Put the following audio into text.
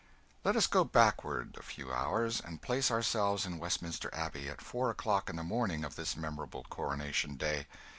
Let us go backward a few hours, and place ourselves in Westminster Abbey, at four o'clock in the morning of this memorable Coronation Day.